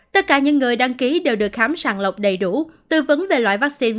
tất cả những người đăng ký đều được khám sàng lọc đầy đủ tư vấn về loại vaccine